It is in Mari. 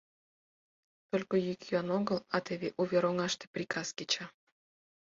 Только йӱк-йӱан огыл, а теве увер оҥаште приказ кеча.